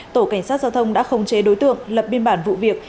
tổ cảnh sát giao thông đã khống chế đối tượng lập biên bản vụ việc